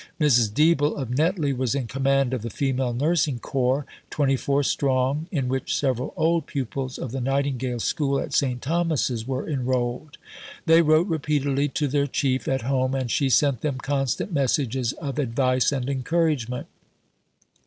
Mrs. Deeble, of Netley, was in command of the female nursing corps, twenty four strong, in which several old pupils of the Nightingale School at St. Thomas's were enrolled. They wrote repeatedly to their "Chief" at home, and she sent them constant messages of advice and encouragement.